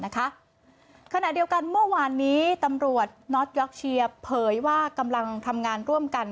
ขณะเดียวกันเมื่อวานนี้ตำรวจน็อตยอกเชียร์เผยว่ากำลังทำงานร่วมกัน